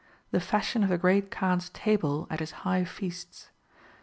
The Fashion of the Great Kaan's Table at his High Feasts.